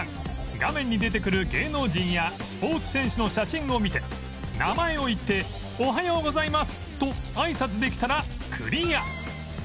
画面に出てくる芸能人やスポーツ選手の写真を見て名前を言って「おはようございます！！」とあいさつできたらクリア